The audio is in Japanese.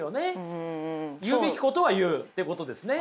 言うべきことは言うってことですね。